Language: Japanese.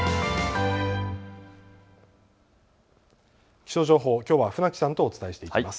気象情報、きょうは船木さんとお伝えしていきます。